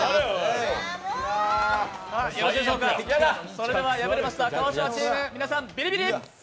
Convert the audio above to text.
それでは敗れました川島さんチーム、皆さんビリビリ！